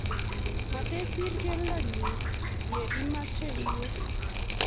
Mtisir keldo nyu ya imeche iwe